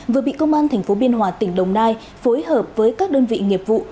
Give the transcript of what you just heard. vừa bị công an thành phố biên hòa tỉnh đồng nai phối hợp với các đơn vị nghiệp vụ